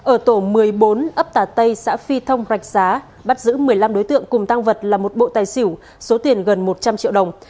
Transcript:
ở tổ một mươi bốn ấp tà tây xã phi thông rạch giá bắt giữ một mươi năm đối tượng cùng tăng vật là một bộ tài xỉu số tiền gần một trăm linh triệu đồng